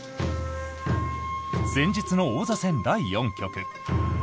先日の王座戦第４局。